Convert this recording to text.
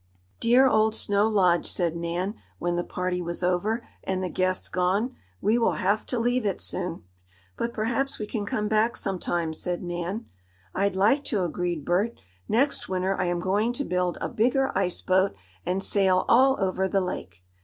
"Dear old Snow Lodge!" said Nan, when the party was over, and the guests gone. "We will have to leave it soon!" "But perhaps we can come back some time," said Nan. "I'd like to," agreed Bert. "Next winter I am going to build a bigger ice boat, and sail all over the lake."